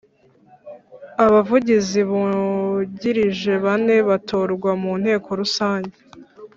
Abavugizi Bungirije bane batorwa munteko rusange